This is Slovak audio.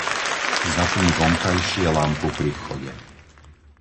Zapni vonkajšie lampu pri vchode.